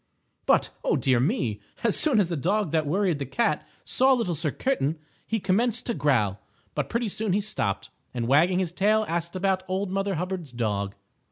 But, oh, dear me! As soon as the Dog that Worried the Cat saw Little Sir Kitten, he commenced to growl. But pretty soon he stopped, and, wagging his tail, asked about Old Mother Hubbard's dog.